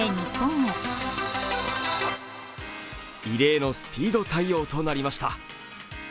異例のスピード対応となりました。